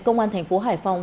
công an thành phố hải phòng